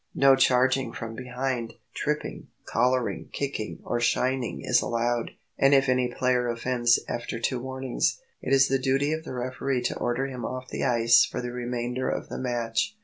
No charging from behind, tripping, collaring, kicking, or shinning is allowed; and if any player offends after two warnings, it is the duty of the referee to order him off the ice for the remainder of the match.